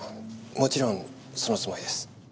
もちろんそのつもりです。